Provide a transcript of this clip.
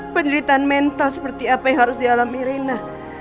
penderitaan mental seperti apa yang harus dialami rina